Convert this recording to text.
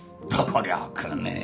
努力ねえ。